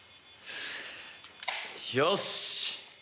よし！